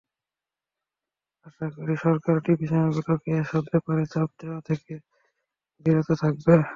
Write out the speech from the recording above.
আশা করি, সরকার টিভি চ্যানেলগুলোকে এসব ব্যাপারে চাপ দেওয়া থেকে বিরত থাকবে।